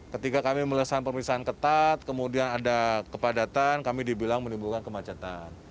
ketika kami melesat pemeriksaan ketat kemudian ada kepadatan kami dibilang menimbulkan kemacetan